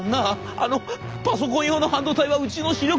あのパソコン用の半導体はうちの主力商品ですよ。